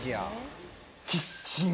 キッチン